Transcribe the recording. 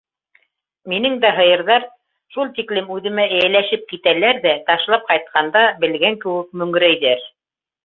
Минең дә һыйырҙар шул тиклем үҙемә эйәләшеп китәләр ҙә ташлап ҡайтҡанда белгән кеүек мөңрәйҙәр.